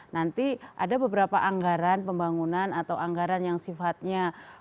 nanti ada beberapa anggaran pembangunan atau anggaran yang sifatnya